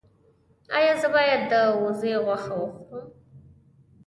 ایا زه باید د وزې غوښه وخورم؟